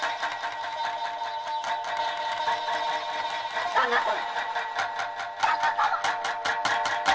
〔旦那様！